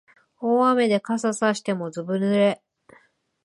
大雨で傘さしてもずぶ濡れ